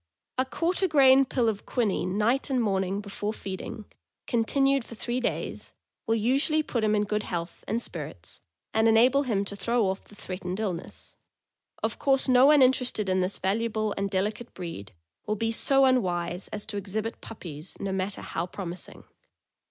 A quarter grain pill of quinine night and morning before feeding, continued for three days, will usually put him in good health and spirits and enable him to throw off the threatened illness. Of course no one interested in this valuable and delicate breed will be so unwise as to exhibit puppies, no matter how promising.